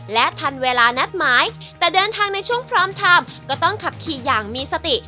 และทันเวลานัดหมายแต่เดินทางในช่วงพร้อมทำก็ต้องขับขี่อย่างมีสติ